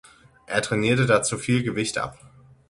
Er trainierte dazu viel Gewicht ab.